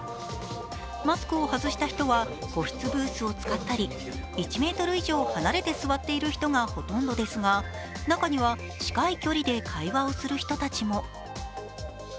マスクを外した人は個室ブースを使ったり、１ｍ以上離れて座っている人がほとんどですが中には近い距離で会話をする人たちも。